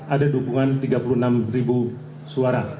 ada dukungan tiga puluh enam ribu suara